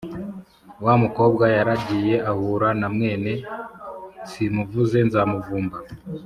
wa mukobwa yaragiye ahura na mwene… simuvuze nzamuvumba.